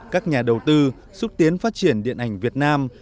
các nhà đầu tư xúc tiến phát triển điện ảnh việt nam